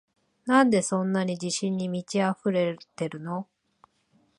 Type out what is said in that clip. なんでそんなに自信に満ちあふれてるの？